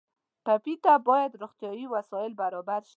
ټپي ته باید روغتیایي وسایل برابر شي.